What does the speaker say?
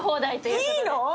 いいの？